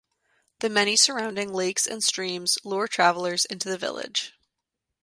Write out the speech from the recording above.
The many surrounding Lakes and streams lure travelers into the village.